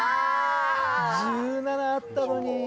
１７あったのに。